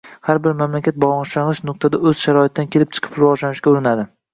har bir mamlakat boshlang‘ich nuqtada o‘z sharoitidan kelib chiqib rivojlanishga urinadi.